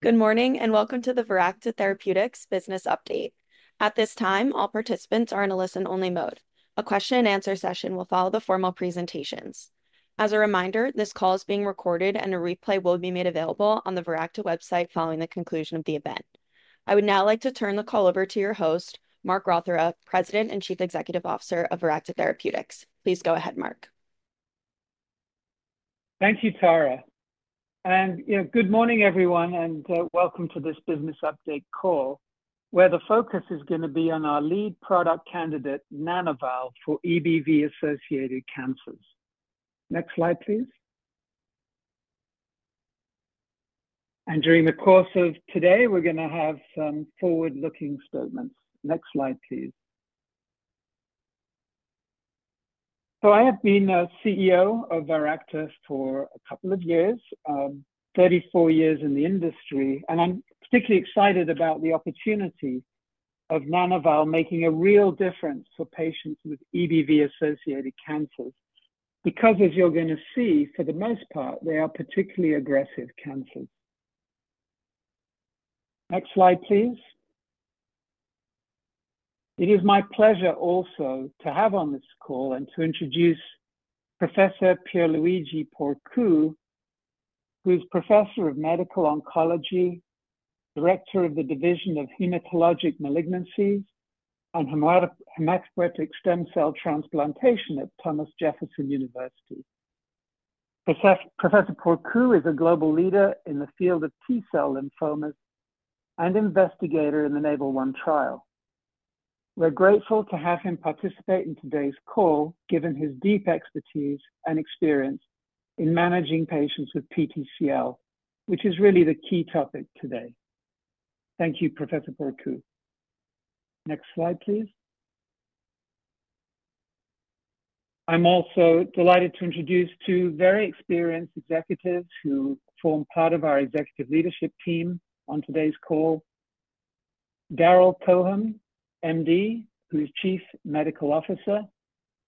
Good morning, and welcome to the Viracta Therapeutics Business Update. At this time, all participants are in a listen-only mode. A question-and-answer session will follow the formal presentations. As a reminder, this call is being recorded, and a replay will be made available on the Viracta website following the conclusion of the event. I would now like to turn the call over to your host, Mark Rothera, President and Chief Executive Officer of Viracta Therapeutics. Please go ahead, Mark. Thank you, Tara, and, you know, good morning, everyone, and, welcome to this business update call, where the focus is going to be on our lead product candidate, Nana-val, for EBV-associated cancers. Next slide, please. During the course of today, we're going to have some forward-looking statements. Next slide, please. I have been a CEO of Viracta for a couple of years, 34 years in the industry, and I'm particularly excited about the opportunity of Nana-val making a real difference for patients with EBV-associated cancers because as you're going to see, for the most part, they are particularly aggressive cancers. Next slide, please. It is my pleasure also to have on this call and to introduce Professor Pierluigi Porcu, who is Professor of Medical Oncology, Director of the Division of Hematologic Malignancies and Hematopoietic Stem Cell Transplantation at Thomas Jefferson University. Professor Porcu is a global leader in the field of T-cell lymphomas and investigator in the NAVAL-1 trial. We're grateful to have him participate in today's call, given his deep expertise and experience in managing patients with PTCL, which is really the key topic today. Thank you, Professor Porcu. Next slide, please. I'm also delighted to introduce two very experienced executives who form part of our executive leadership team on today's call. Darrel Cohen, MD, who is Chief Medical Officer,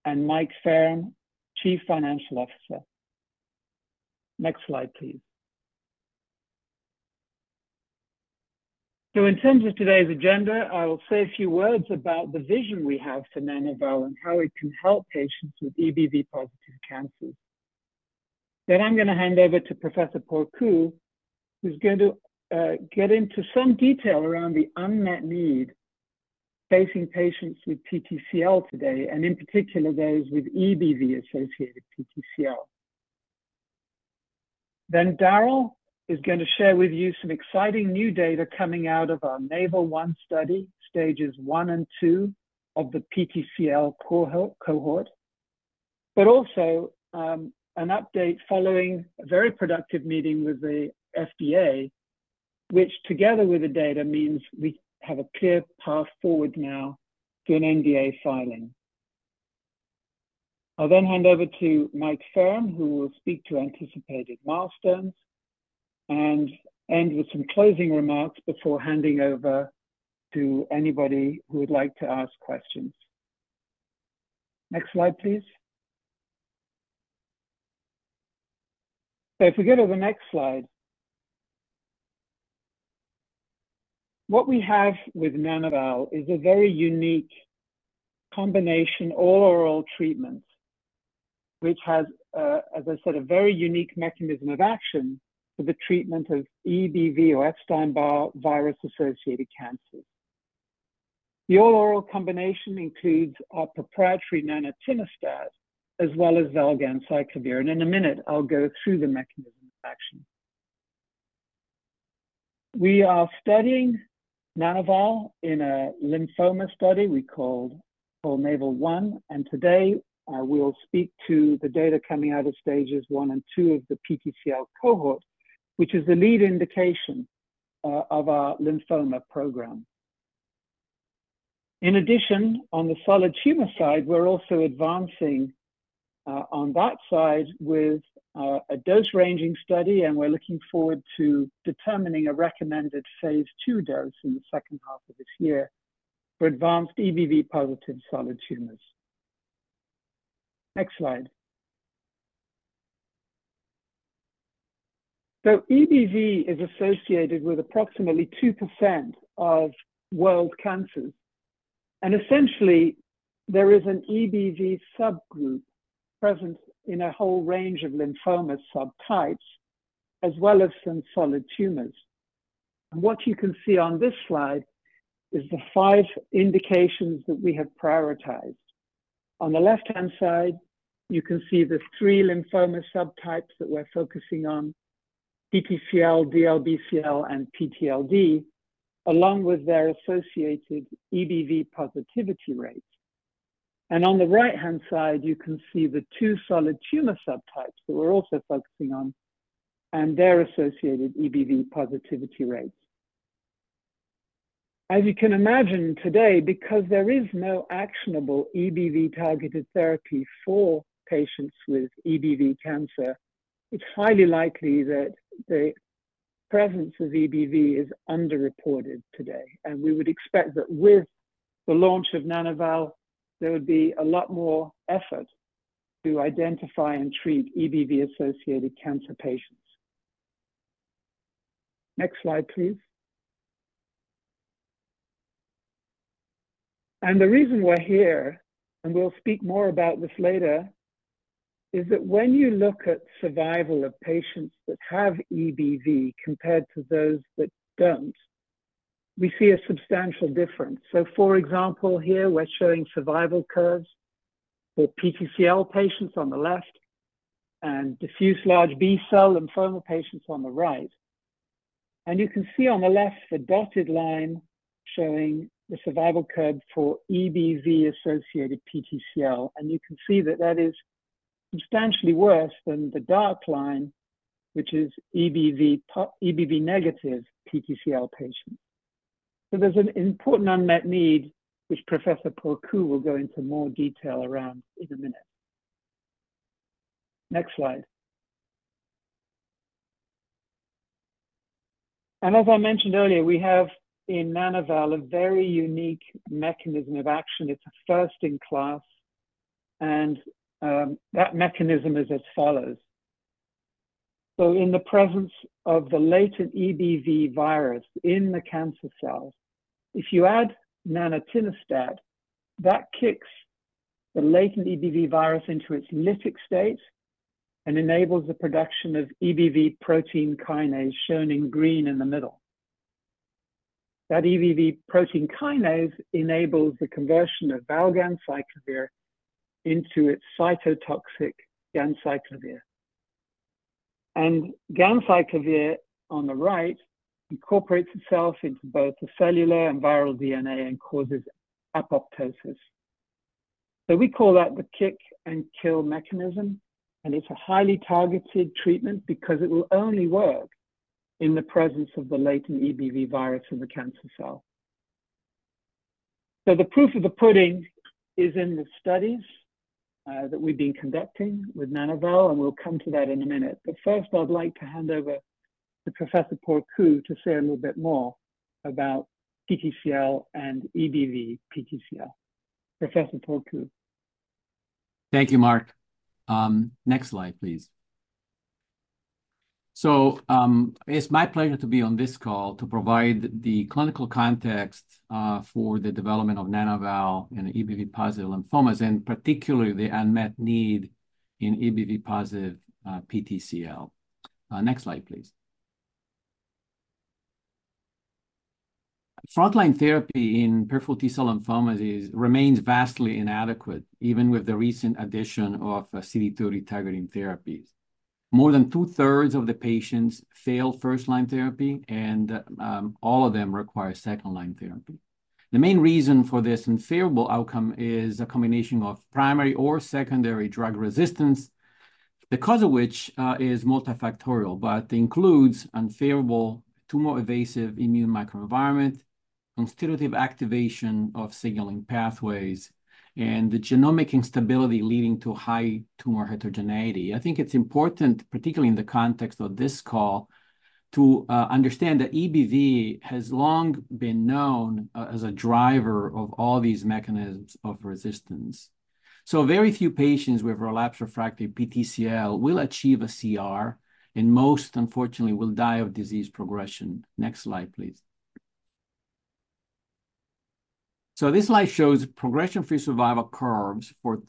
and Michael Faerm, Chief Financial Officer. Next slide, please. So in terms of today's agenda, I will say a few words about the vision we have for Nana-val and how it can help patients with EBV-positive cancer. Then I'm going to hand over to Professor Porcu, who's going to get into some detail around the unmet need facing patients with PTCL today, and in particular, those with EBV-associated PTCL. Then Darrel is going to share with you some exciting new data coming out of our NAVAL-1 study, stages one and two of the PTCL cohort, but also an update following a very productive meeting with the FDA, which, together with the data, means we have a clear path forward now to an NDA filing. I'll then hand over to Mike Faerm, who will speak to anticipated milestones and end with some closing remarks before handing over to anybody who would like to ask questions. Next slide, please. If we go to the next slide, what we have with Nana-val is a very unique combination, all-oral treatments, which has, as I said, a very unique mechanism of action for the treatment of EBV or Epstein-Barr virus-associated cancers. The all-oral combination includes our proprietary nanatinostat as well as valganciclovir, and in a minute, I'll go through the mechanism of action. We are studying Nana-val in a lymphoma study we called NAVAL-1, and today, I will speak to the data coming out of stages 1 and 2 of the PTCL cohort, which is the lead indication of our lymphoma program. In addition, on the solid tumor side, we're also advancing on that side with a dose-ranging study, and we're looking forward to determining a recommended phase 2 dose in the second half of this year for advanced EBV-positive solid tumors. Next slide. EBV is associated with approximately 2% of world cancers, and essentially, there is an EBV subgroup present in a whole range of lymphoma subtypes, as well as some solid tumors. What you can see on this slide is the five indications that we have prioritized. On the left-hand side, you can see the three lymphoma subtypes that we're focusing on, PTCL, DLBCL, and PTLD, along with their associated EBV positivity rates. On the right-hand side, you can see the two solid tumor subtypes that we're also focusing on and their associated EBV positivity rates. As you can imagine today, because there is no actionable EBV-targeted therapy for patients with EBV cancer, it's highly likely that the presence of EBV is underreported today, and we would expect that with the launch of Nana-val, there would be a lot more effort to identify and treat EBV-associated cancer patients. Next slide, please. The reason we're here, and we'll speak more about this later, is that when you look at survival of patients that have EBV compared to those that don't, we see a substantial difference. So, for example, here we're showing survival curves for PTCL patients on the left and diffuse large B-cell lymphoma patients on the right. And you can see on the left, the dotted line showing the survival curve for EBV-associated PTCL, and you can see that that is substantially worse than the dark line, which is EBV-negative PTCL patient. So there's an important unmet need, which Professor Porcu will go into more detail around in a minute. Next slide. And as I mentioned earlier, we have in Nana-val a very unique mechanism of action. It's a first-in-class, and that mechanism is as follows: so in the presence of the latent EBV virus in the cancer cells, if you add nanatinostat, that kicks the latent EBV virus into its lytic state and enables the production of EBV protein kinase, shown in green in the middle. That EBV protein kinase enables the conversion of valganciclovir into its cytotoxic ganciclovir. And ganciclovir, on the right, incorporates itself into both the cellular and viral DNA and causes apoptosis. So we call that the kick and kill mechanism, and it's a highly targeted treatment because it will only work in the presence of the latent EBV virus in the cancer cell. So the proof of the pudding is in the studies that we've been conducting with Nana-val, and we'll come to that in a minute. But first, I'd like to hand over to Professor Porcu to say a little bit more about PTCL and EBV-PTCL. Professor Porcu. Thank you, Mark. Next slide, please. So, it's my pleasure to be on this call to provide the clinical context for the development of Nana-val in EBV-positive lymphomas, and particularly the unmet need in EBV-positive PTCL. Next slide, please. Frontline therapy in peripheral T-cell lymphomas remains vastly inadequate, even with the recent addition of CD30-targeting therapies. More than two-thirds of the patients fail first-line therapy, and all of them require second-line therapy. The main reason for this unfavorable outcome is a combination of primary or secondary drug resistance, the cause of which is multifactorial, but includes unfavorable tumor-evasive immune microenvironment, constitutive activation of signaling pathways, and the genomic instability leading to high tumor heterogeneity. I think it's important, particularly in the context of this call, to understand that EBV has long been known as a driver of all these mechanisms of resistance. So very few patients with relapsed refractory PTCL will achieve a CR, and most, unfortunately, will die of disease progression. Next slide, please. So this slide shows progression-free survival curves from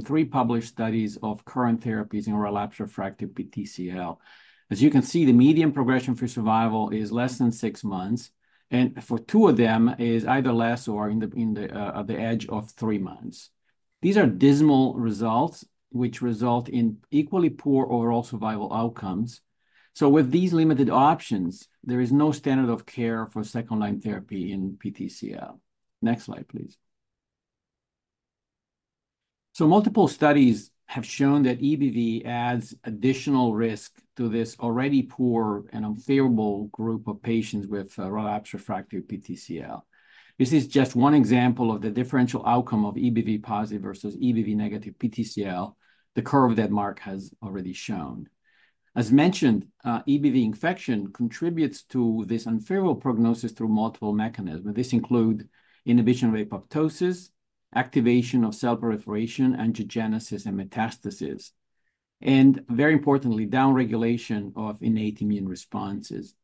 three published studies of current therapies in relapsed refractory PTCL. As you can see, the median progression-free survival is less than six months, and for two of them, it is either less or at the edge of three months. These are dismal results, which result in equally poor overall survival outcomes. So with these limited options, there is no standard of care for second-line therapy in PTCL. Next slide, please. So multiple studies have shown that EBV adds additional risk to this already poor and unfavorable group of patients with relapsed refractory PTCL. This is just one example of the differential outcome of EBV positive versus EBV negative PTCL, the curve that Mark has already shown. As mentioned, EBV infection contributes to this unfavorable prognosis through multiple mechanisms. This include inhibition of apoptosis, activation of cell proliferation, angiogenesis, and metastasis, and very importantly, downregulation of innate immune responses.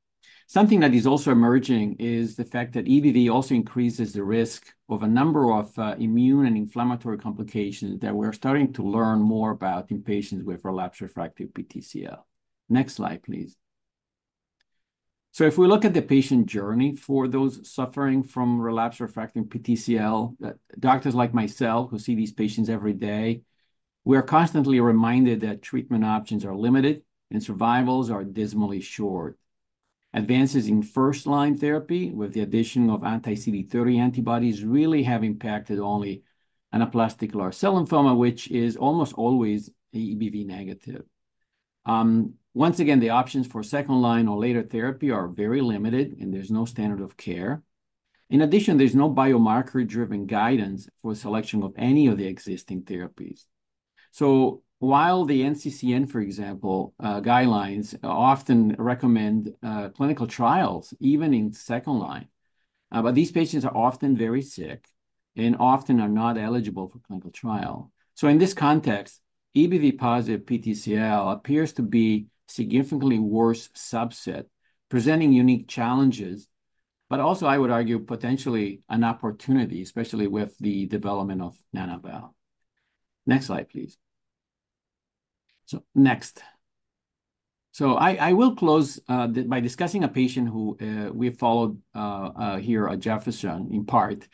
Something that is also emerging is the fact that EBV also increases the risk of a number of immune and inflammatory complications that we're starting to learn more about in patients with relapsed refractory PTCL. Next slide, please. So if we look at the patient journey for those suffering from relapsed refractory PTCL, doctors like myself, who see these patients every day, we are constantly reminded that treatment options are limited and survivals are dismally short. Advances in first-line therapy, with the addition of anti-CD30 antibodies, really have impacted only anaplastic large cell lymphoma, which is almost always EBV negative. Once again, the options for second-line or later therapy are very limited, and there's no standard of care. In addition, there's no biomarker-driven guidance for selection of any of the existing therapies. So while the NCCN, for example, guidelines often recommend clinical trials, even in second line, but these patients are often very sick and often are not eligible for clinical trial. So in this context, EBV positive PTCL appears to be significantly worse subset, presenting unique challenges, but also, I would argue, potentially an opportunity, especially with the development of Nana-val. Next slide, please. So next. So I will close by discussing a patient who we followed here at Jefferson, in part,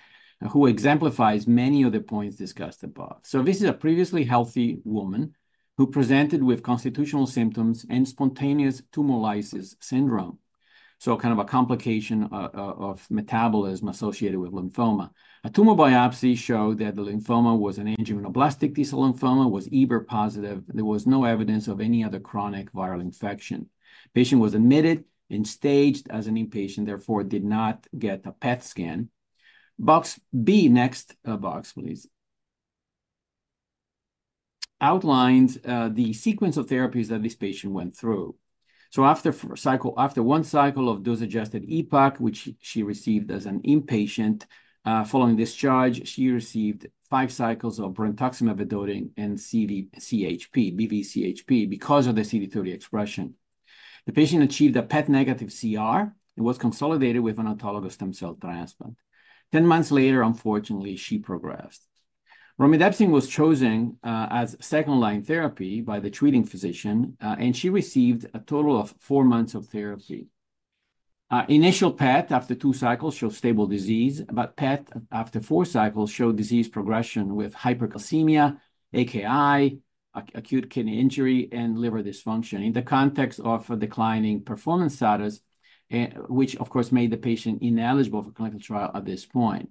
who exemplifies many of the points discussed above. So this is a previously healthy woman who presented with constitutional symptoms and spontaneous tumor lysis syndrome, so kind of a complication of metabolism associated with lymphoma. A tumor biopsy showed that the lymphoma was an angioimmunoblastic T-cell lymphoma, was EBV positive. There was no evidence of any other chronic viral infection. Patient was admitted and staged as an inpatient, therefore did not get a PET scan. Box B, next box, please, outlines the sequence of therapies that this patient went through. So after one cycle of dose-adjusted EPOCH, which she received as an inpatient, following discharge, she received five cycles of brentuximab vedotin and CHP, BV-CHP, because of the CD30 expression. The patient achieved a PET-negative CR and was consolidated with an autologous stem cell transplant. 10 months later, unfortunately, she progressed. Romidepsin was chosen as second-line therapy by the treating physician, and she received a total of four months of therapy. Initial PET after two cycles showed stable disease, but PET after four cycles showed disease progression with hypercalcemia, AKI, acute kidney injury, and liver dysfunction. In the context of a declining performance status, which of course made the patient ineligible for clinical trial at this point.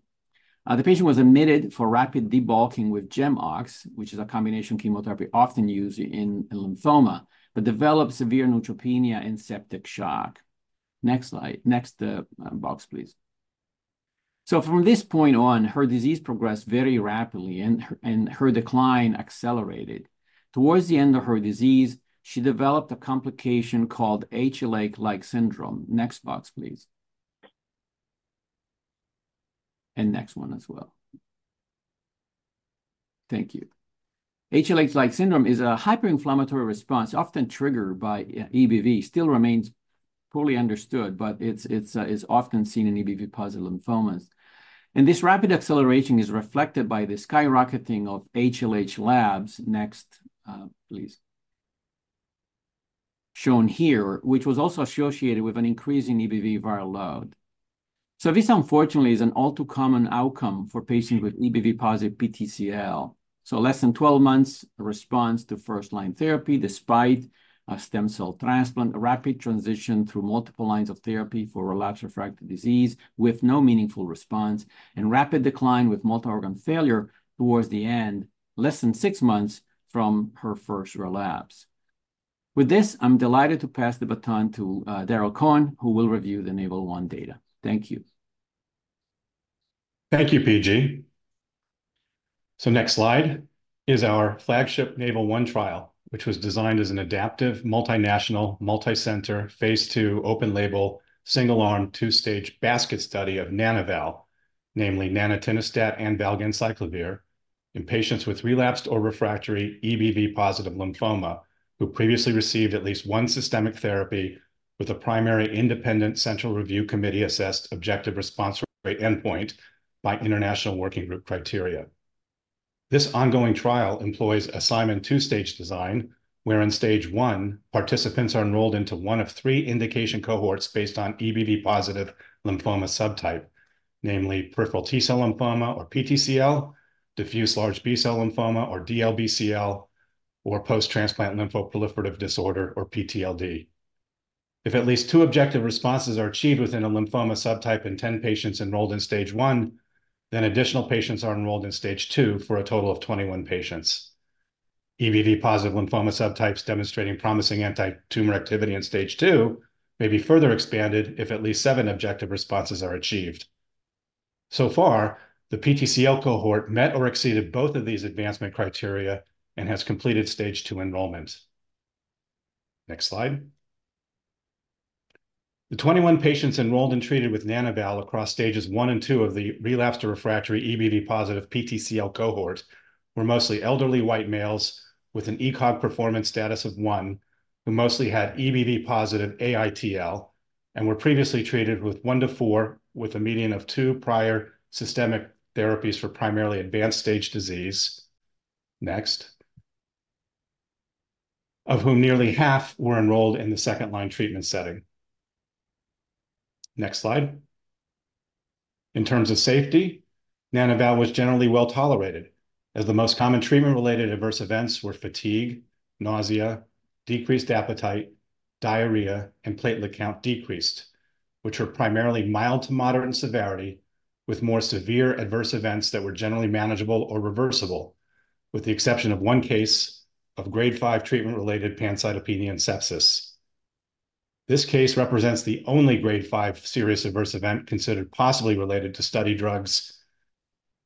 The patient was admitted for rapid debulking with GEMOX, which is a combination chemotherapy often used in lymphoma, but developed severe neutropenia and septic shock. Next slide. Next, box, please. So from this point on, her disease progressed very rapidly, and her decline accelerated. Towards the end of her disease, she developed a complication called HLH-like syndrome. Next box, please. Next one as well. Thank you. HLH-like syndrome is a hyperinflammatory response, often triggered by EBV, still remains poorly understood, but it is often seen in EBV positive lymphomas. This rapid acceleration is reflected by the skyrocketing of HLH labs. Next, please. Shown here, which was also associated with an increase in EBV viral load. So this, unfortunately, is an all too common outcome for patients with EBV positive PTCL. So less than 12 months response to first-line therapy, despite a stem cell transplant, a rapid transition through multiple lines of therapy for relapsed refractory disease with no meaningful response, and rapid decline with multi-organ failure towards the end, less than 6 months from her first relapse. With this, I'm delighted to pass the baton to Darrel Cohen, who will review the NAVAL-1 data. Thank you. Thank you, PG. So next slide is our flagship NAVAL-1 trial, which was designed as an adaptive, multinational, multicenter, phase 2, open label, single-arm, two-stage basket study of Nana-val, namely nanatinostat and valganciclovir, in patients with relapsed or refractory EBV-positive lymphoma, who previously received at least one systemic therapy with a primary independent central review committee-assessed objective response rate endpoint by International Working Group criteria. This ongoing trial employs a Simon two-stage design, where in Stage 1, participants are enrolled into one of three indication cohorts based on EBV-positive lymphoma subtype, namely peripheral T-cell lymphoma or PTCL, diffuse large B-cell lymphoma or DLBCL, or post-transplant lymphoproliferative disorder, or PTLD. If at least two objective responses are achieved within a lymphoma subtype in 10 patients enrolled in Stage 1, then additional patients are enrolled in Stage 2 for a total of 21 patients. EBV-positive lymphoma subtypes demonstrating promising anti-tumor activity in stage 2 may be further expanded if at least 7 objective responses are achieved. So far, the PTCL cohort met or exceeded both of these advancement criteria and has completed stage 2 enrollment. Next slide. The 21 patients enrolled and treated with Nana-val across stages 1 and 2 of the relapsed or refractory EBV-positive PTCL cohort were mostly elderly white males with an ECOG performance status of 1, who mostly had EBV-positive AITL and were previously treated with 1-4, with a median of 2, prior systemic therapies for primarily advanced stage disease. Next. Of whom nearly half were enrolled in the second-line treatment setting. Next slide. In terms of safety, Nana-val was generally well tolerated, as the most common treatment-related adverse events were fatigue, nausea, decreased appetite, diarrhea, and platelet count decreased, which were primarily mild to moderate in severity, with more severe adverse events that were generally manageable or reversible, with the exception of one case of Grade 5 treatment-related pancytopenia and sepsis. This case represents the only Grade 5 serious adverse event considered possibly related to study drugs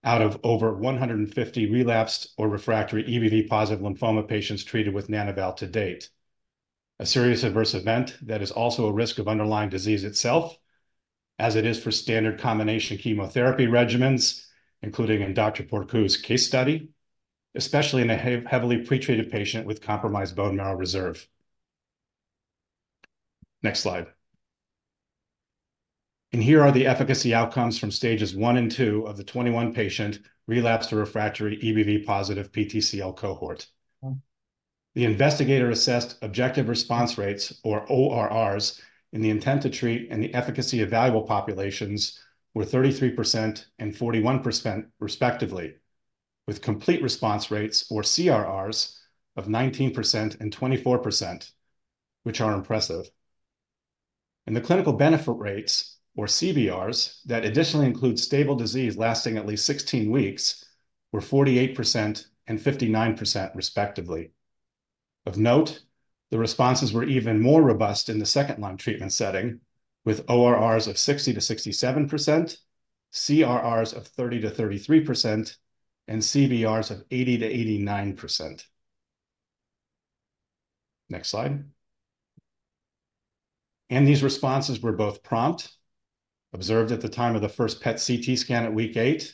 out of over 150 relapsed or refractory EBV-positive lymphoma patients treated with Nana-val to date. A serious adverse event that is also a risk of underlying disease itself, as it is for standard combination chemotherapy regimens, including in Dr. Porcu's case study, especially in a heavily pretreated patient with compromised bone marrow reserve. Next slide. Here are the efficacy outcomes from stages one and two of the 21 patient relapsed or refractory EBV positive PTCL cohort. The investigator assessed objective response rates, or ORRs, in the intent to treat, and the efficacy evaluable populations were 33% and 41%, respectively, with complete response rates, or CRRs, of 19% and 24%, which are impressive. The clinical benefit rates, or CBRs, that additionally include stable disease lasting at least 16 weeks, were 48% and 59%, respectively. Of note, the responses were even more robust in the second-line treatment setting, with ORRs of 60%-67%, CRRs of 30%-33%, and CBRs of 80%-89%. Next slide. These responses were both prompt, observed at the time of the first PET-CT scan at week 8,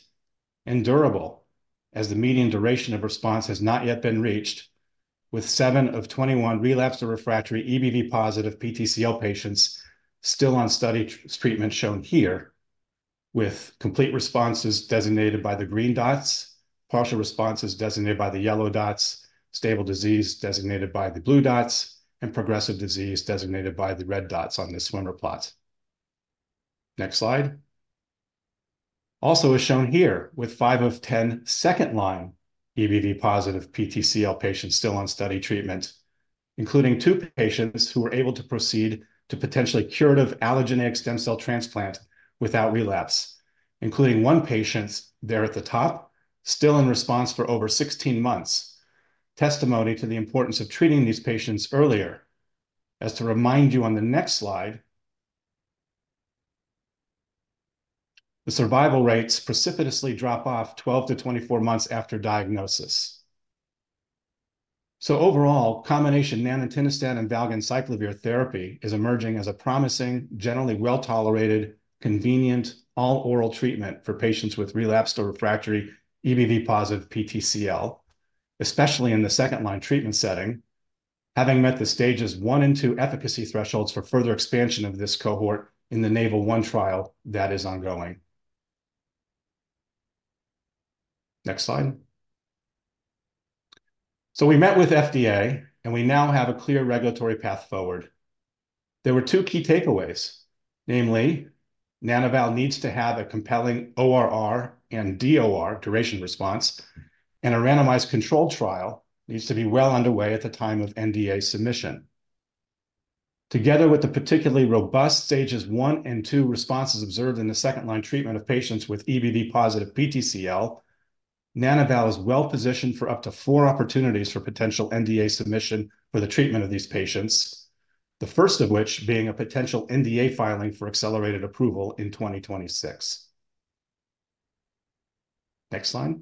and durable, as the median duration of response has not yet been reached, with 7 of 21 relapsed or refractory EBV-positive PTCL patients still on study treatment, shown here, with complete responses designated by the green dots, partial responses designated by the yellow dots, stable disease designated by the blue dots, and progressive disease designated by the red dots on this swimmer plot. Next slide. Also, as shown here, with 5 of 10 second-line EBV-positive PTCL patients still on study treatment, including two patients who were able to proceed to potentially curative allogeneic stem cell transplant without relapse, including one patient, there at the top, still in response for over 16 months, testimony to the importance of treating these patients earlier. Just to remind you on the next slide, the survival rates precipitously drop off 12-24 months after diagnosis. Overall, combination nanatinostat and valganciclovir therapy is emerging as a promising, generally well-tolerated, convenient, all-oral treatment for patients with relapsed or refractory EBV-positive PTCL, especially in the second-line treatment setting, having met the stages one and two efficacy thresholds for further expansion of this cohort in the NAVAL-1 trial that is ongoing. Next slide. We met with FDA, and we now have a clear regulatory path forward. There were two key takeaways. Namely, Nana-val needs to have a compelling ORR and DOR, duration response, and a randomized controlled trial needs to be well underway at the time of NDA submission. Together with the particularly robust stages 1 and 2 responses observed in the second-line treatment of patients with EBV-positive PTCL, Nana-val is well positioned for up to four opportunities for potential NDA submission for the treatment of these patients, the first of which being a potential NDA filing for accelerated approval in 2026. Next slide.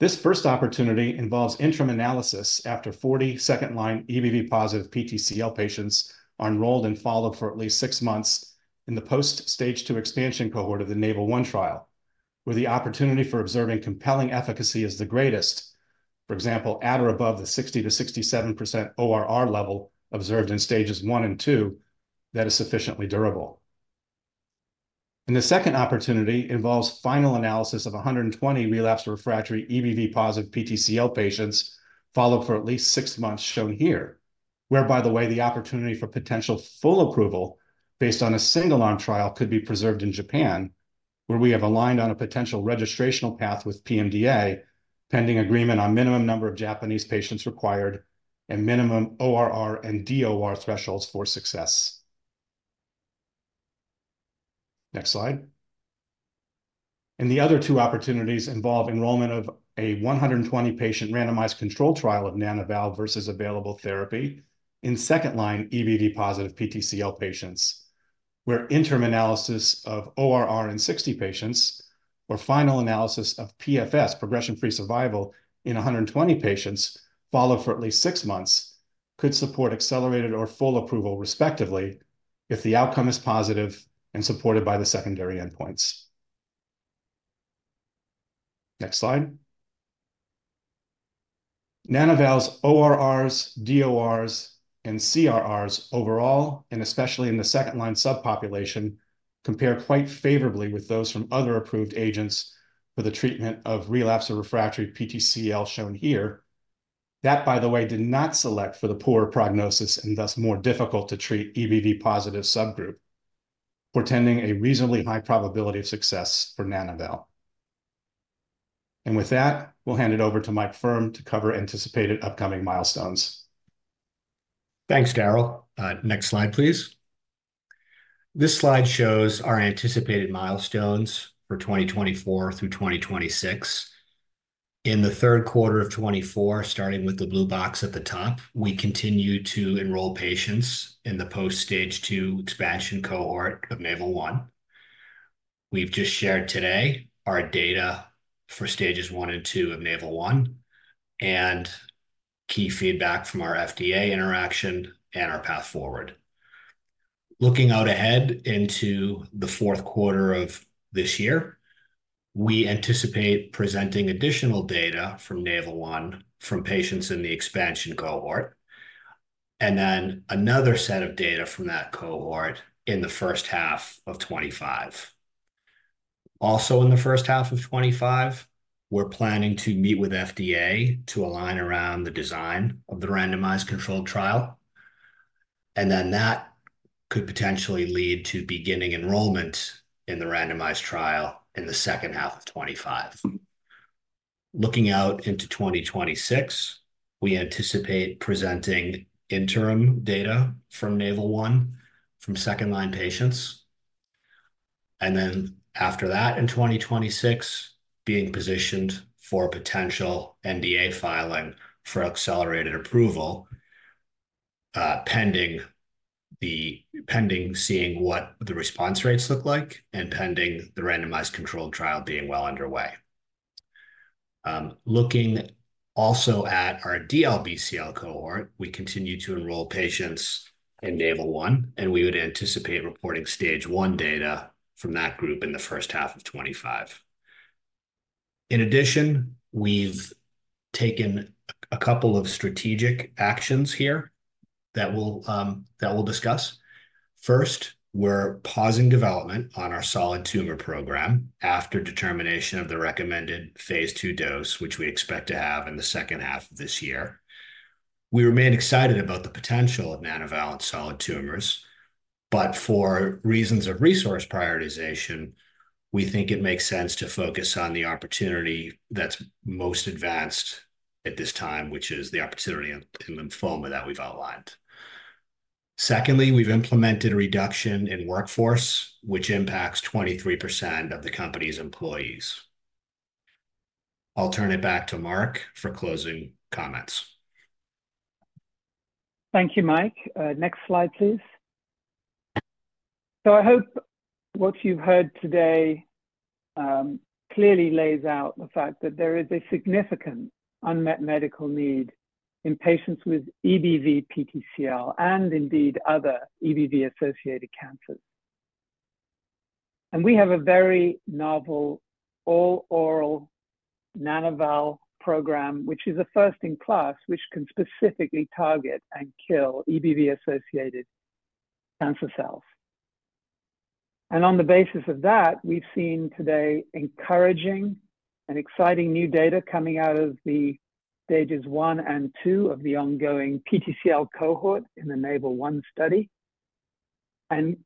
This first opportunity involves interim analysis after 40 second-line EBV-positive PTCL patients are enrolled and followed for at least 6 months in the post-stage 2 expansion cohort of the NAVAL-1 trial, where the opportunity for observing compelling efficacy is the greatest. For example, at or above the 60%-67% ORR level observed in stages 1 and 2, that is sufficiently durable. The second opportunity involves final analysis of 120 relapsed refractory EBV-positive PTCL patients followed for at least six months, shown here, where, by the way, the opportunity for potential full approval based on a single arm trial could be preserved in Japan, where we have aligned on a potential registrational path with PMDA, pending agreement on minimum number of Japanese patients required and minimum ORR and DOR thresholds for success. Next slide. The other two opportunities involve enrollment of a 120 patient randomized control trial of Nana-val versus available therapy in second-line EBV-positive PTCL patients, where interim analysis of ORR in 60 patients or final analysis of PFS, progression-free survival, in a 120 patients followed for at least six months, could support accelerated or full approval, respectively, if the outcome is positive and supported by the secondary endpoints. Next slide. Nana-val's ORRs, DORs, and CRRs overall, and especially in the second-line subpopulation, compare quite favorably with those from other approved agents for the treatment of relapsed or refractory PTCL, shown here. That, by the way, did not select for the poor prognosis and thus more difficult to treat EBV-positive subgroup, portending a reasonably high probability of success for Nana-val. With that, we'll hand it over to Michael Faerm to cover anticipated upcoming milestones. Thanks, Darrel. Next slide, please. This slide shows our anticipated milestones for 2024 through 2026. In the third quarter of 2024, starting with the blue box at the top, we continue to enroll patients in the post-stage two expansion cohort of NAVAL-1. We've just shared today our data for stages 1 and 2 of NAVAL-1, and key feedback from our FDA interaction and our path forward. Looking out ahead into the fourth quarter of this year, we anticipate presenting additional data from NAVAL-1 from patients in the expansion cohort, and then another set of data from that cohort in the first half of 2025. Also, in the first half of 2025, we're planning to meet with FDA to align around the design of the randomized controlled trial, and then that could potentially lead to beginning enrollment in the randomized trial in the second half of 2025. Looking out into 2026, we anticipate presenting interim data from NAVAL-1 from second-line patients. After that, in 2026, being positioned for potential NDA filing for accelerated approval, pending seeing what the response rates look like and pending the randomized controlled trial being well underway. Looking also at our DLBCL cohort, we continue to enroll patients in NAVAL-1, and we would anticipate reporting stage 1 data from that group in the first half of 2025. In addition, we've taken a couple of strategic actions here that we'll discuss. First, we're pausing development on our solid tumor program after determination of the recommended phase 2 dose, which we expect to have in the second half of this year. We remain excited about the potential of Nana-val solid tumors, but for reasons of resource prioritization, we think it makes sense to focus on the opportunity that's most advanced at this time, which is the opportunity in lymphoma that we've outlined. Secondly, we've implemented a reduction in workforce, which impacts 23% of the company's employees. I'll turn it back to Mark for closing comments. Thank you, Mike. Next slide, please. So I hope what you've heard today clearly lays out the fact that there is a significant unmet medical need in patients with EBV PTCL, and indeed, other EBV-associated cancers. And we have a very novel, all-oral Nana-val program, which is a first in class, which can specifically target and kill EBV-associated cancer cells. And on the basis of that, we've seen today encouraging and exciting new data coming out of the stages 1 and 2 of the ongoing PTCL cohort in the NAVAL-1 study. And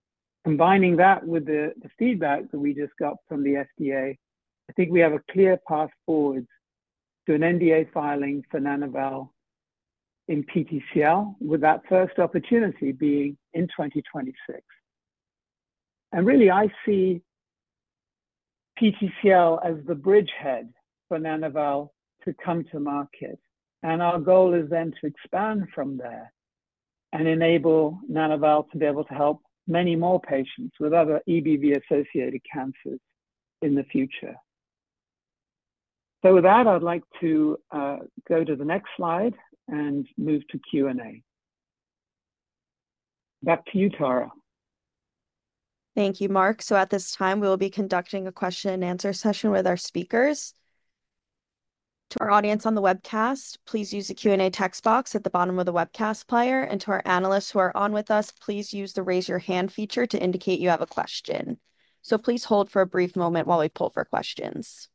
combining that with the feedback that we just got from the FDA, I think we have a clear path forward to an NDA filing for Nana-val in PTCL, with that first opportunity being in 2026. Really, I see PTCL as the bridgehead for Nana-val to come to market, and our goal is then to expand from there and enable Nana-val to be able to help many more patients with other EBV-associated cancers in the future. With that, I'd like to go to the next slide and move to Q&A. Back to you, Tara. Thank you, Mark. At this time, we will be conducting a question and answer session with our speakers. To our audience on the webcast, please use the Q&A text box at the bottom of the webcast player. To our analysts who are on with us, please use the Raise Your Hand feature to indicate you have a question. Please hold for a brief moment while we pull for questions.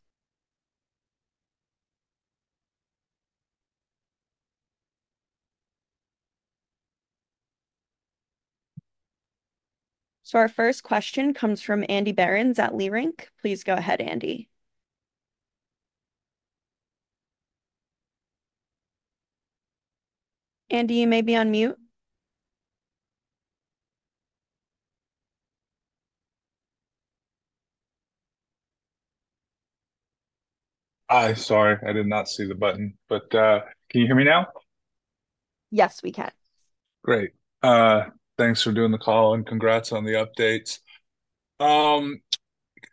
Our first question comes from Andrew Berens at Leerink. Please go ahead, Andrew. Andrew, you may be on mute. Hi, sorry, I did not see the button, but, can you hear me now? Yes, we can. Great. Thanks for doing the call, and congrats on the updates.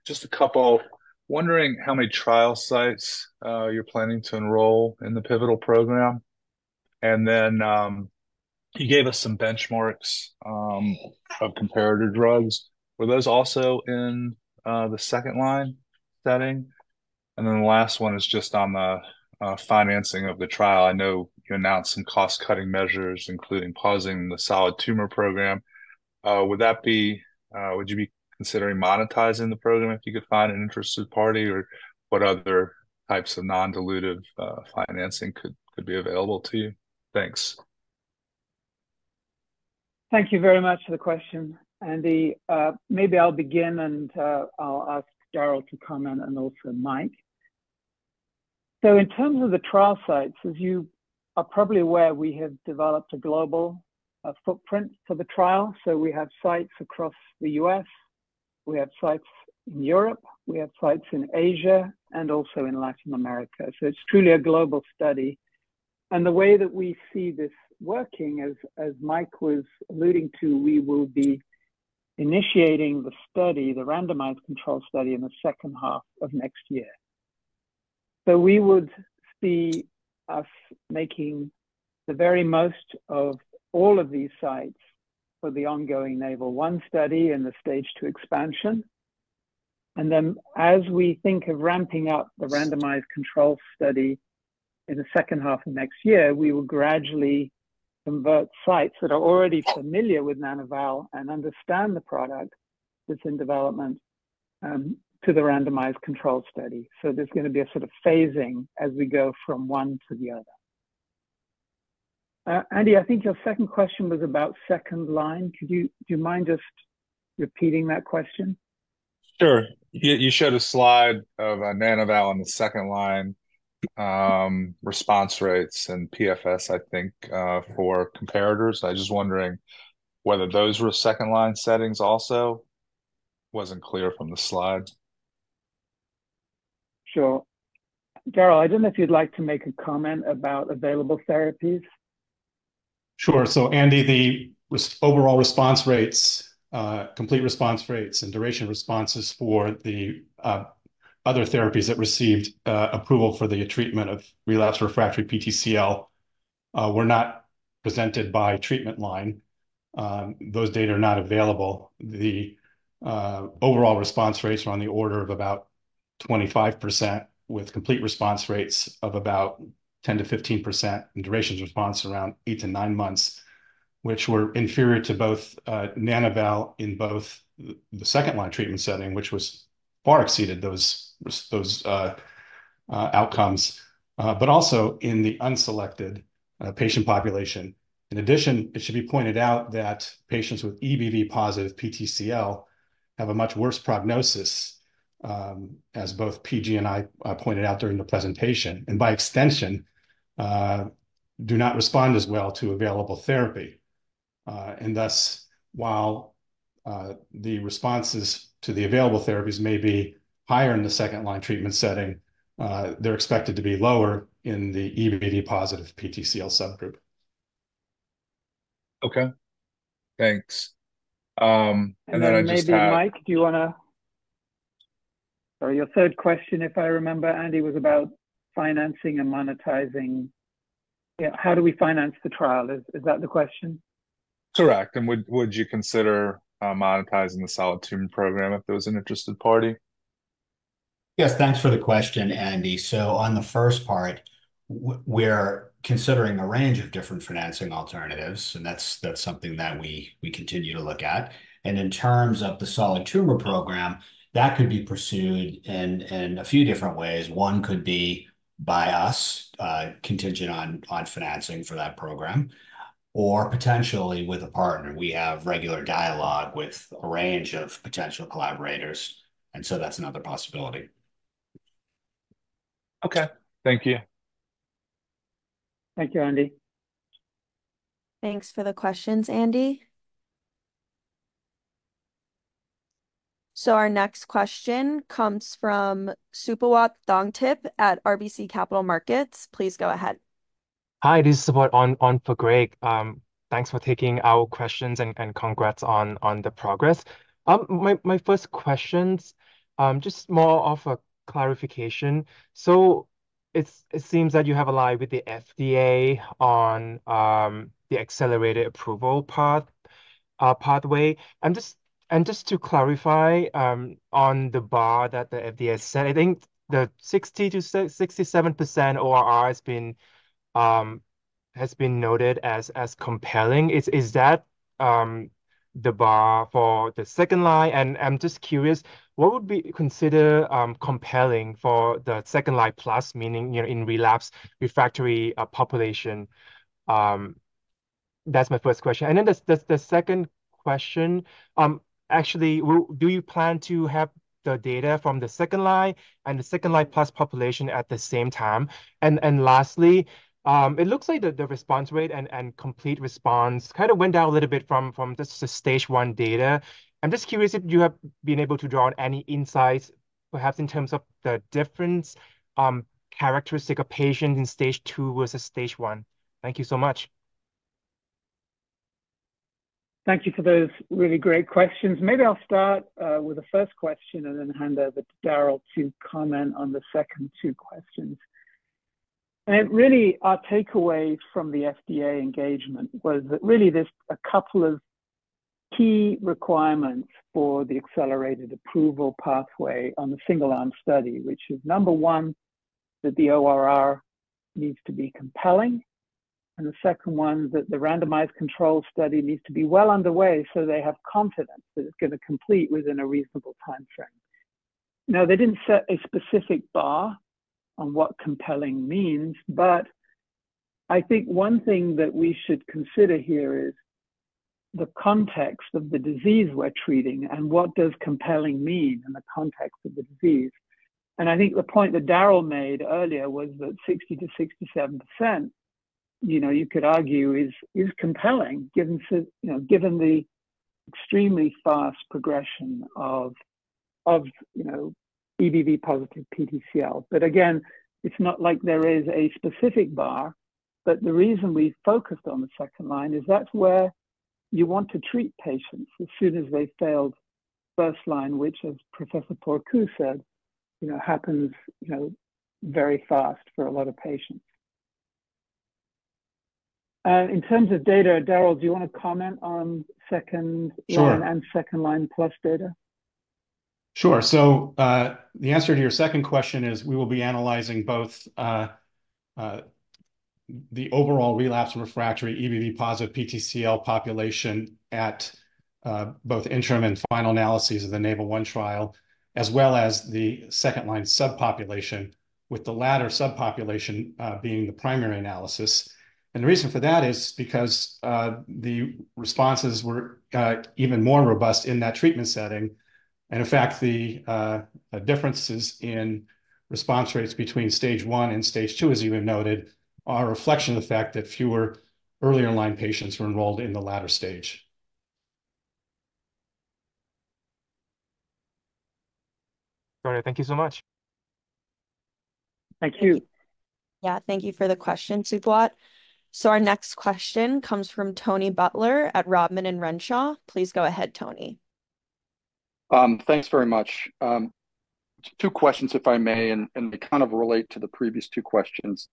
Just a couple. Wondering how many trial sites you're planning to enroll in the pivotal program? And then, you gave us some benchmarks of comparator drugs. Were those also in the second line setting? And then the last one is just on the financing of the trial. I know you announced some cost-cutting measures, including pausing the solid tumor program. Would you be considering monetizing the program if you could find an interested party, or what other types of non-dilutive financing could be available to you? Thanks. Thank you very much for the question, Andy. Maybe I'll begin, and I'll ask Darrel to comment, and also Mike. So in terms of the trial sites, as you are probably aware, we have developed a global footprint for the trial, so we have sites across the U.S. We have sites in Europe, we have sites in Asia, and also in Latin America. So it's truly a global study. And the way that we see this working, as Mike was alluding to, we will be initiating the study, the randomized controlled study, in the second half of next year. So we would see us making the very most of all of these sites for the ongoing NAVAL-1 study and the Stage two expansion. And then, as we think of ramping up the randomized controlled study in the second half of next year, we will gradually convert sites that are already familiar with Nana-val and understand the product that's in development, to the randomized controlled study. So there's gonna be a sort of phasing as we go from one to the other. Andy, I think your second question was about second line. Do you mind just repeating that question? Sure. You showed a slide of Nana-val in the second line, response rates and PFS, I think, for comparators. I was just wondering whether those were second-line settings also. Wasn't clear from the slides. Sure. Darrel, I don't know if you'd like to make a comment about available therapies. Sure. So, Andy, the overall response rates, complete response rates and duration responses for the other therapies that received approval for the treatment of relapsed refractory PTCL were not presented by treatment line. Those data are not available. The overall response rates are on the order of about 25%, with complete response rates of about 10%-15%, and duration of response around 8-9 months, which were inferior to both Nana-val in both the second-line treatment setting, which far exceeded those outcomes, but also in the unselected patient population. In addition, it should be pointed out that patients with EBV-positive PTCL have a much worse prognosis, as both PG and I pointed out during the presentation, and by extension do not respond as well to available therapy. And thus, while the responses to the available therapies may be higher in the second-line treatment setting, they're expected to be lower in the EBV-positive PTCL subgroup. Okay, thanks. And then I just have- Then maybe, Mike, do you wanna... Sorry, your third question, if I remember, Andy, was about financing and monetizing. Yeah, how do we finance the trial? Is that the question? Correct. Would you consider monetizing the solid tumor program if there was an interested party? Yes. Thanks for the question, Andy. So on the first part, we're considering a range of different financing alternatives, and that's, that's something that we, we continue to look at. And in terms of the solid tumor program, that could be pursued in a few different ways. One could be by us, contingent on financing for that program, or potentially with a partner. We have regular dialogue with a range of potential collaborators, and so that's another possibility. Okay. Thank you. Thank you, Andy. Thanks for the questions, Andy. So our next question comes from Suphawat Thongtip at RBC Capital Markets. Please go ahead. Hi, this is Suphawat on for Greg. Thanks for taking our questions, and congrats on the progress. My first questions, just more of a clarification. So it seems that you have allied with the FDA on the accelerated approval pathway. And just to clarify, on the bar that the FDA has set, I think the 60%-67% ORR has been noted as compelling. Is that the bar for the second line? And I'm just curious, what would be considered compelling for the second line plus, meaning, you know, in relapsed refractory population? That's my first question. And then the second question, actually, do you plan to have the data from the second line and the second line plus population at the same time? And lastly, it looks like the response rate and complete response kind of went down a little bit from just the Stage one data. I'm just curious if you have been able to draw any insights, perhaps in terms of the difference characteristic of patients in Stage two versus Stage one. Thank you so much. Thank you for those really great questions. Maybe I'll start with the first question and then hand over to Darrel to comment on the second two questions. And really, our takeaway from the FDA engagement was that really there's a couple of key requirements for the accelerated approval pathway on the single-arm study, which is, number one, that the ORR needs to be compelling, and the second one, that the randomized controlled study needs to be well underway so they have confidence that it's gonna complete within a reasonable time frame. Now, they didn't set a specific bar on what compelling means, but I think one thing that we should consider here is the context of the disease we're treating, and what does compelling mean in the context of the disease? And I think the point that Darrel made earlier was that 60%-67%. You know, you could argue is compelling, given the extremely fast progression of EBV-positive PTCL. But again, it's not like there is a specific bar, but the reason we focused on the second line is that's where you want to treat patients as soon as they've failed first line, which, as Professor Porcu said, you know, happens, you know, very fast for a lot of patients. In terms of data, Darrel, do you wanna comment on second line- Sure. and second-line plus data? Sure. So, the answer to your second question is, we will be analyzing both the overall relapse refractory EBV positive PTCL population at both interim and final analyses of the NAVAL-1 trial, as well as the second-line subpopulation, with the latter subpopulation being the primary analysis. And the reason for that is because the responses were even more robust in that treatment setting. And in fact, the differences in response rates between Stage One and Stage Two, as you have noted, are a reflection of the fact that fewer earlier-line patients were enrolled in the latter stage. All right, thank you so much. Thank you. Yeah, thank you for the question, Suvrat. So our next question comes from Tony Butler at Rodman & Renshaw. Please go ahead, Tony. Thanks very much. Two questions, if I may, and they kind of relate to the previous two questions.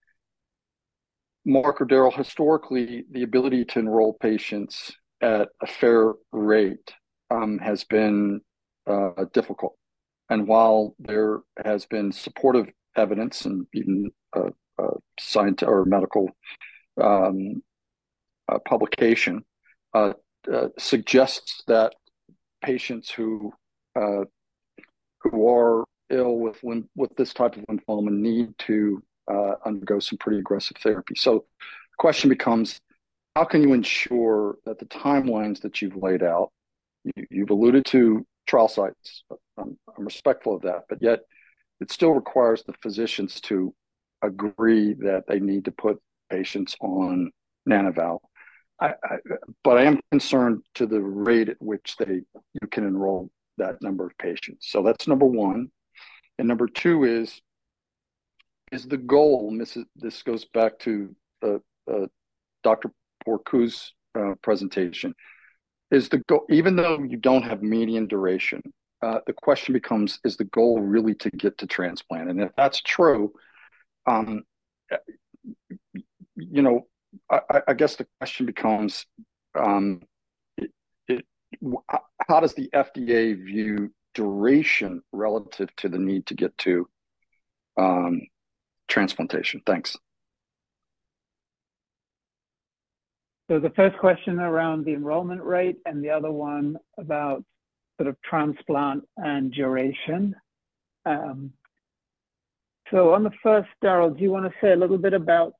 Mark or Darrel, historically, the ability to enroll patients at a fair rate has been difficult. And while there has been supportive evidence and even scientific or medical publication suggests that patients who are ill with this type of lymphoma need to undergo some pretty aggressive therapy. So the question becomes, how can you ensure that the timelines that you've laid out? You've alluded to trial sites. I'm respectful of that, but yet it still requires the physicians to agree that they need to put patients on Nana-val. But I am concerned to the rate at which they, you know, can enroll that number of patients. So that's number one. And number two is the goal, and this goes back to Dr. Porcu's presentation. Even though you don't have median duration, the question becomes, is the goal really to get to transplant? And if that's true, you know, I guess the question becomes, how does the FDA view duration relative to the need to get to transplantation? Thanks. So the first question around the enrollment rate, and the other one about sort of transplant and duration. So on the first, Darrel, do you wanna say a little bit about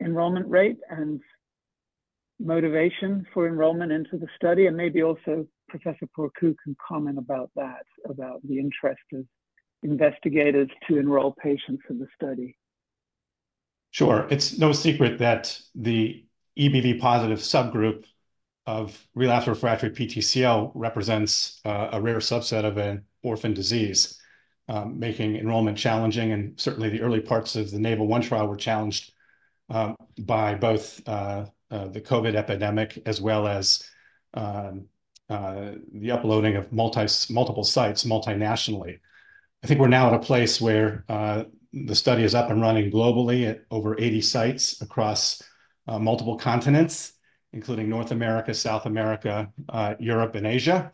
enrollment rate and motivation for enrollment into the study? And maybe also Professor Porcu can comment about that, about the interest of investigators to enroll patients in the study. Sure. It's no secret that the EBV positive subgroup of relapse refractory PTCL represents a rare subset of an orphan disease, making enrollment challenging. And certainly, the early parts of the NAVAL-1 trial were challenged by both the COVID epidemic, as well as the opening of multiple sites, multi-nationally. I think we're now at a place where the study is up and running globally at over 80 sites across multiple continents, including North America, South America, Europe, and Asia.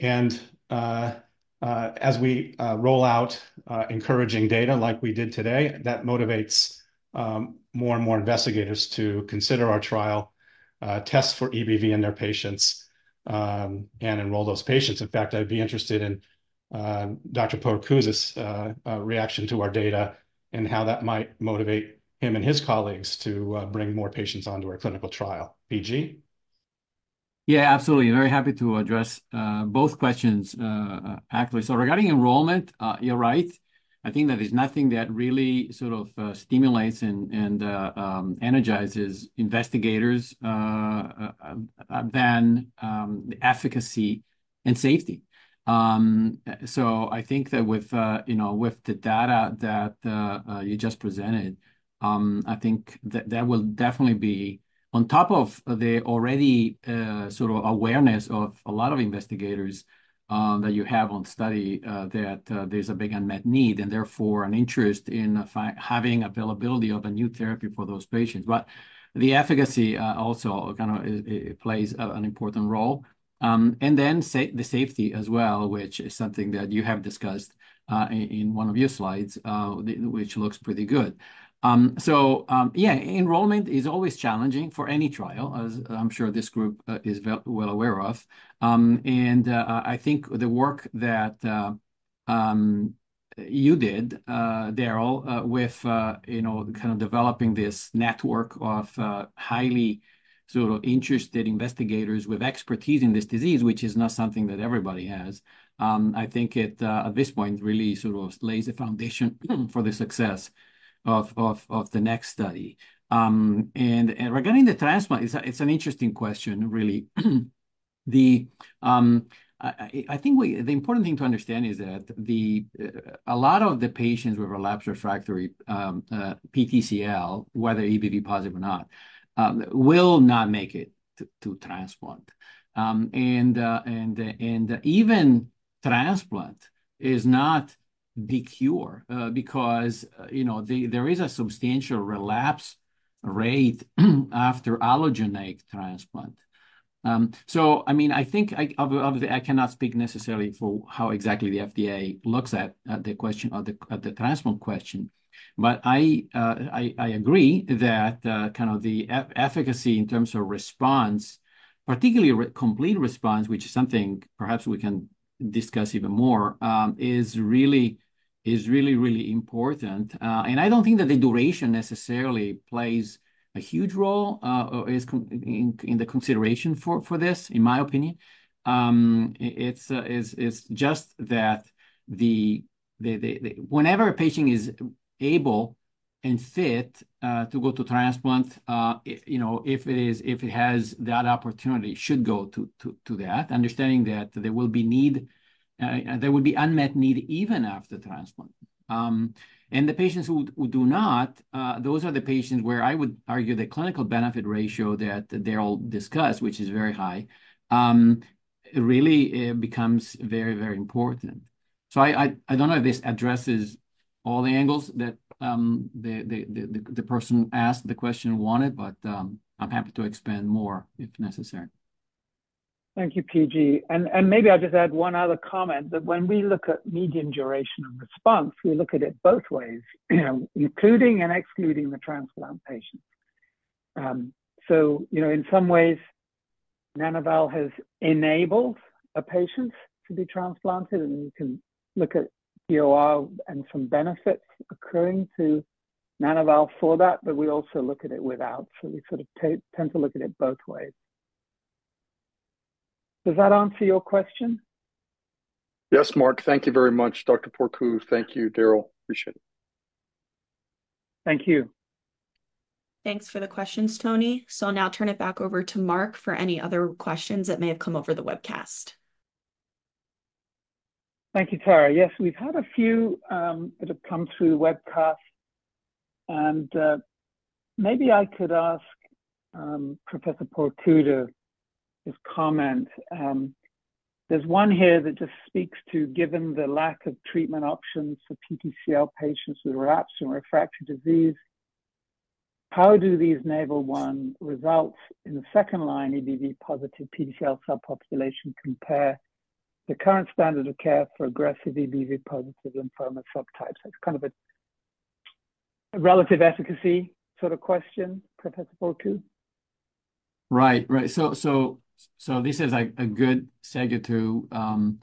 And as we roll out encouraging data like we did today, that motivates more and more investigators to consider our trial, test for EBV in their patients, and enroll those patients. In fact, I'd be interested in Dr. Porcu's reaction to our data and how that might motivate him and his colleagues to bring more patients onto our clinical trial. PG? Yeah, absolutely. Very happy to address both questions, actually. So regarding enrollment, you're right. I think that there's nothing that really sort of stimulates and energizes investigators than the efficacy and safety. So I think that with you know, with the data that you just presented, I think that that will definitely be on top of the already sort of awareness of a lot of investigators that you have on study that there's a big unmet need, and therefore, an interest in having availability of a new therapy for those patients. But the efficacy also, kind of, it plays an important role. And then the safety as well, which is something that you have discussed in one of your slides, which looks pretty good. Enrollment is always challenging for any trial, as I'm sure this group is well aware of. I think the work that you did, Darrel, with you know, kind of developing this network of highly sort of interested investigators with expertise in this disease, which is not something that everybody has, I think it at this point really sort of lays the foundation for the success of the next study. Regarding the transplant, it's an interesting question, really. The important thing to understand is that a lot of the patients with relapsed refractory PTCL, whether EBV positive or not, will not make it to transplant. And even transplant is not the cure, because, you know, there is a substantial relapse rate after allogeneic transplant. So I mean, obviously, I cannot speak necessarily for how exactly the FDA looks at the question or the transplant question. But I agree that kind of the efficacy in terms of response, particularly with complete response, which is something perhaps we can discuss even more, is really, really important. And I don't think that the duration necessarily plays a huge role, or is considered in the consideration for this, in my opinion. It's just that... Whenever a patient is able and fit to go to transplant, you know, if it is, if it has that opportunity, should go to that, understanding that there will be need, there will be unmet need even after transplant. And the patients who do not, those are the patients where I would argue the clinical benefit ratio that Darrel discussed, which is very high, really becomes very, very important. I don't know if this addresses all the angles that the person who asked the question wanted, but I'm happy to expand more if necessary. Thank you, PG. And maybe I'll just add one other comment, that when we look at median duration of response, we look at it both ways, including and excluding the transplant patient. So, you know, in some ways, Nana-val has enabled a patient to be transplanted, and you can look at DOR and some benefits occurring to Nana-val for that, but we also look at it without. So we sort of tend to look at it both ways. Does that answer your question? Yes, Mark, thank you very much. Dr. Porcu, thank you, Darrel. Appreciate it. Thank you. Thanks for the questions, Tony. So I'll now turn it back over to Mark for any other questions that may have come over the webcast. Thank you, Tara. Yes, we've had a few that have come through the webcast, and maybe I could ask Professor Porcu to just comment. There's one here that just speaks to, given the lack of treatment options for PTCL patients with relapsed and refractory disease, how do these NAVAL-1 results in the second-line EBV-positive PTCL subpopulation compare the current standard of care for aggressive EBV-positive lymphoma subtypes? It's kind of a, a relative efficacy sort of question, Professor Porcu. Right. So this is a good segue to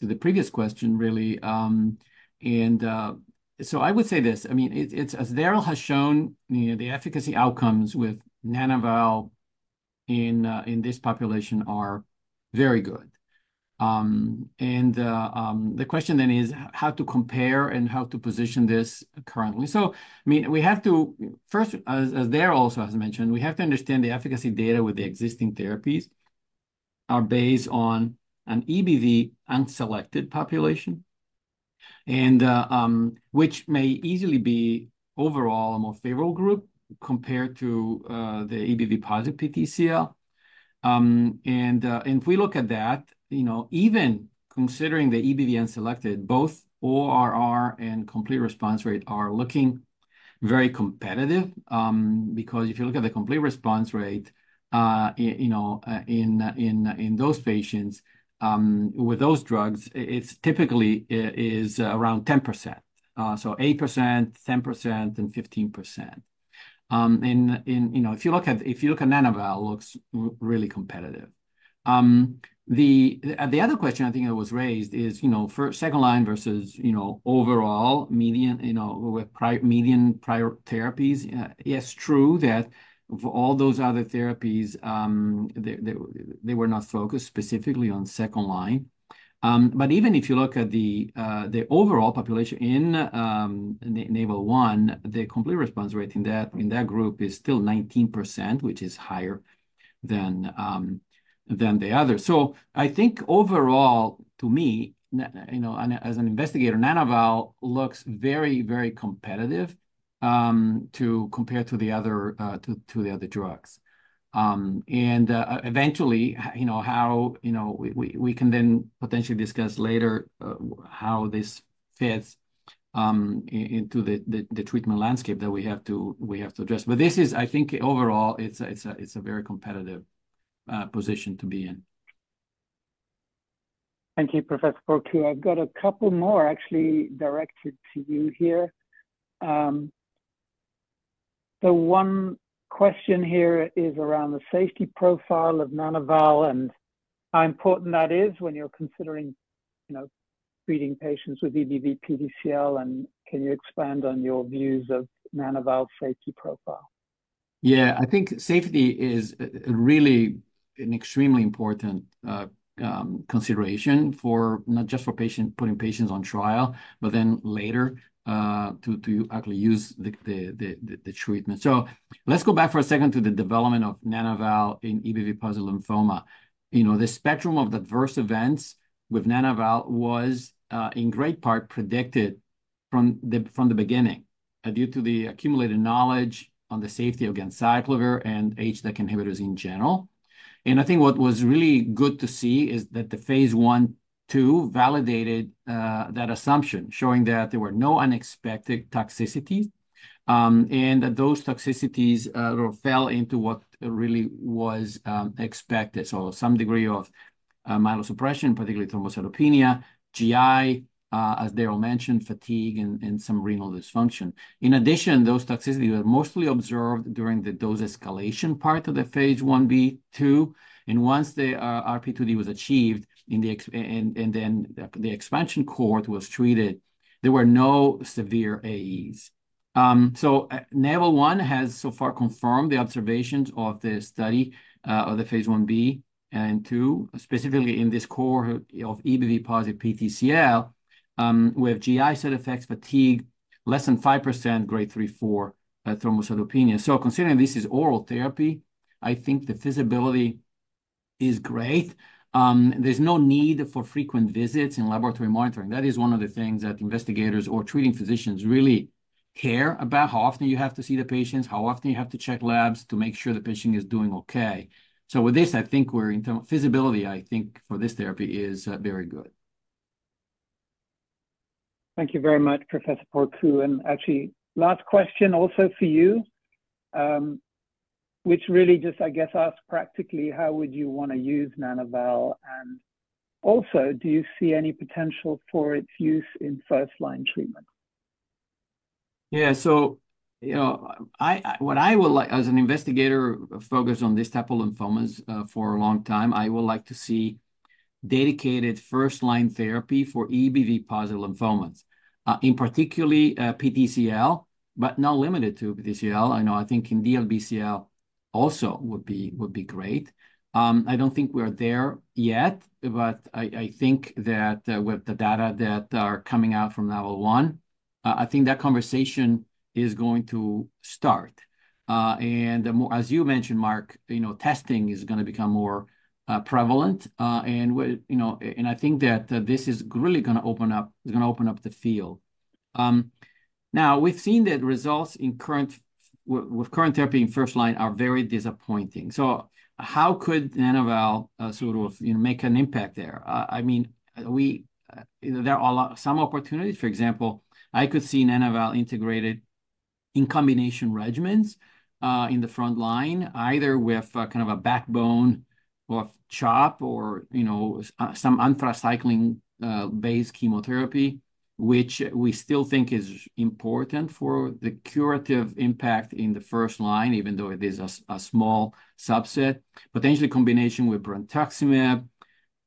the previous question, really. And so I would say this, I mean, it's as Darrel has shown, you know, the efficacy outcomes with Nana-val in this population are very good. And the question then is how to compare and how to position this currently. So, I mean, we have to, first, as Darrel also has mentioned, we have to understand the efficacy data with the existing therapies are based on an EBV unselected population, and which may easily be overall a more favorable group compared to the EBV positive PTCL. And if we look at that, you know, even considering the EBV unselected, both ORR and complete response rate are looking very competitive, because if you look at the complete response rate, you know, in those patients with those drugs, it's typically around 10%. So 8%, 10%, and 15%. And, you know, if you look at Nana-val, it looks really competitive. The other question I think that was raised is, you know, for second line versus, you know, overall median, you know, with median prior therapies. Yes, true that for all those other therapies, they were not focused specifically on second line. But even if you look at the overall population in the NAVAL-1, the complete response rate in that group is still 19%, which is higher than the other. So I think overall, to me, you know, and as an investigator, Nana-val looks very, very competitive to compare to the other drugs. And eventually, you know, how we can then potentially discuss later how this fits into the treatment landscape that we have to address. But this is, I think, overall, it's a very competitive position to be in. Thank you, Professor Porcu. I've got a couple more actually directed to you here. The one question here is around the safety profile of Nana-val and how important that is when you're considering, you know, treating patients with EBV PTCL, and can you expand on your views of Nana-val's safety profile? Yeah, I think safety is really an extremely important consideration for not just for patient putting patients on trial, but then later to actually use the treatment. So let's go back for a second to the development of Nana-val in EBV-positive lymphoma. You know, the spectrum of adverse events with Nana-val was in great part predicted from the beginning due to the accumulated knowledge on the safety of valganciclovir and HDAC inhibitors in general. And I think what was really good to see is that the phase 1, 2 validated that assumption, showing that there were no unexpected toxicities, and that those toxicities sort of fell into what really was expected. So some degree of myelosuppression, particularly thrombocytopenia, GI, as Darrel mentioned, fatigue, and some renal dysfunction. In addition, those toxicities were mostly observed during the dose escalation part of the phase 1b/2, and once the RP2D was achieved, and then the expansion cohort was treated, there were no severe AEs. So NAVAL-1 has so far confirmed the observations of the study of the phase 1b and 2, specifically in this cohort of EBV-positive PTCL, with GI side effects, fatigue, less than 5% Grade three, four thrombocytopenia. So considering this is oral therapy, I think the feasibility is great. There's no need for frequent visits and laboratory monitoring. That is one of the things that investigators or treating physicians really care about, how often you have to see the patients, how often you have to check labs to make sure the patient is doing okay. So with this, I think we're in terms of feasibility, I think, for this therapy is very good. Thank you very much, Professor Porcu. Actually, last question also for you, which really just, I guess, asks practically, how would you wanna use Nana-val? And also, do you see any potential for its use in first-line treatment? Yeah. So, you know, I what I would like, as an investigator focused on this type of lymphomas, for a long time, I would like to see dedicated first-line therapy for EBV-positive lymphomas, in particularly, PTCL, but not limited to PTCL. I know, I think in DLBCL also would be, would be great. I don't think we're there yet, but I think that, with the data that are coming out from NAVAL-1, I think that conversation is going to start. And the more, as you mentioned, Mark, you know, testing is gonna become more, prevalent. And with, you know, and I think that, this is really gonna open up, it's gonna open up the field. Now, we've seen that results in current with current therapy in first line are very disappointing. So how could Nana-val, sort of, you know, make an impact there? I mean, we, there are some opportunities. For example, I could see Nana-val integrated in combination regimens, in the front line, either with, kind of a backbone of CHOP or, you know, some anthracycline-based chemotherapy, which we still think is important for the curative impact in the first line, even though it is a small subset. Potentially, combination with brentuximab,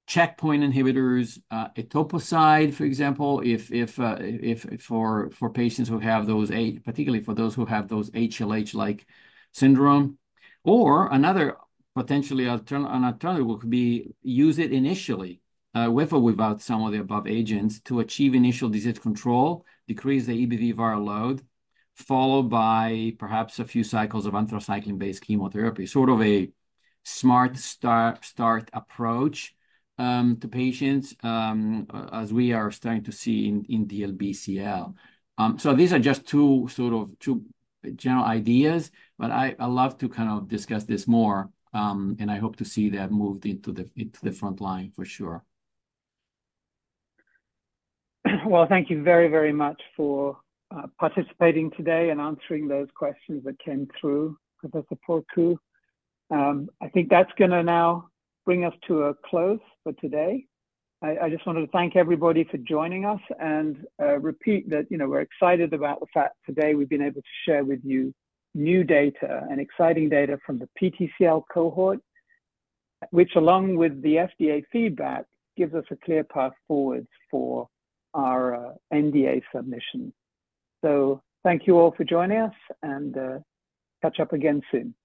checkpoint inhibitors, etoposide, for example, if for patients who have those, particularly for those who have those HLH-like syndrome. Or another potentially alternative would be use it initially, with or without some of the above agents, to achieve initial disease control, decrease the EBV viral load, followed by perhaps a few cycles of anthracycline-based chemotherapy, sort of a Smart Start approach, to patients, as we are starting to see in DLBCL. So these are just two, sort of, two general ideas, but I love to kind of discuss this more, and I hope to see that moved into the front line for sure. Well, thank you very, very much for participating today and answering those questions that came through, Professor Porcu. I think that's gonna now bring us to a close for today. I just wanted to thank everybody for joining us and repeat that, you know, we're excited about the fact today we've been able to share with you new data and exciting data from the PTCL cohort, which, along with the FDA feedback, gives us a clear path forward for our NDA submission. So thank you all for joining us, and catch up again soon.